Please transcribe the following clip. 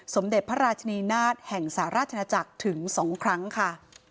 สมเด็จพระราชนีนาฏแห่งสหราชนาจักรถึง๒ครั้งค่ะ